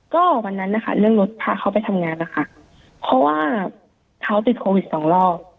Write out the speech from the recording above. ก็วันนั้นนะคะเรื่องรถพาเขาไปทำงานนะคะเพราะว่าเขาติดโควิดสองรอบ